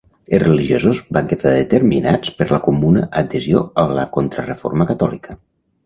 Els religiosos van quedar determinats per la comuna adhesió a la Contrareforma catòlica.